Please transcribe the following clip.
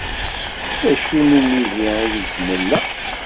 Acu n umihi ideg nella?